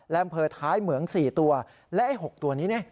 และอำเภอท้ายเหมือง๔ตัวและไอ้๖ตัวนี้เนี่ย